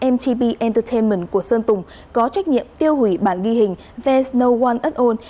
mtb entertainment của sơn dùng có trách nhiệm tiêu hủy bản ghi hình there s no one at all